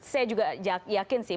saya juga yakin sih